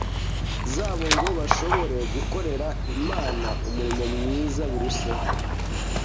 zabo ngo bashobore gukorera Imana umurimo mwiza biruseho,